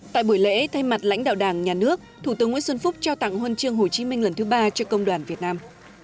tại buổi lễ thay mặt lãnh đạo đảng nhà nước thủ tướng nguyễn xuân phúc trao tặng huân chương hồ chí minh lần thứ ba cho công đoàn việt nam